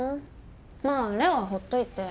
まあ礼央はほっといて。